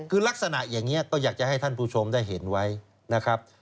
คือลักษณะอย่างนี้ก็อยากจะให้ท่านผู้ชมได้เห็นไว้นะครับ